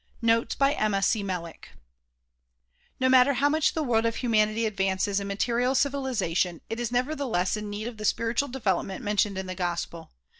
Notes by Emma C. Melick NO matter how much the world of humanity advances in material civilization it is nevertheless in need of the spiritual develop ment mentioned in the gospel.